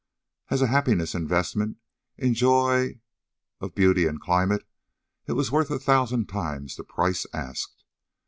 As a happiness investment in joy of beauty and climate, it was worth a thousand times the price asked.